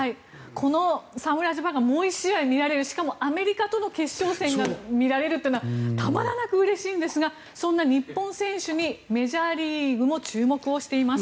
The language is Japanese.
この侍ジャパンがもう１試合見られるしかもアメリカとの決勝戦が見られるというのはたまらなくうれしいんですがそんな日本選手にメジャーリーグも注目をしています。